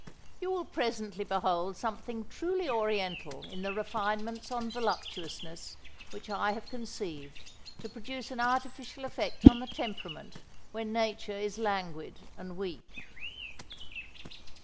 You will presently behold something truly oriental in the refinements on voluptuousness which I have conceived to produce an artificial effect on the temperament when nature is languid and weak.